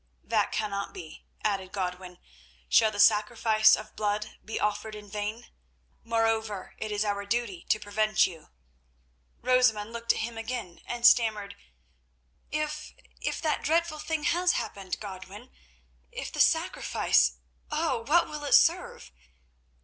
"That cannot be," added Godwin. "Shall the sacrifice of blood be offered in vain? Moreover it is our duty to prevent you." Rosamund looked at him again and stammered: "If—if—that dreadful thing has happened, Godwin—if the sacrifice—oh! what will it serve?"